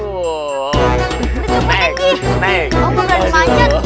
udah terik dulu